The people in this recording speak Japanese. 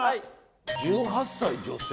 １８歳女性？